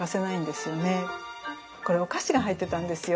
これお菓子が入ってたんですよ。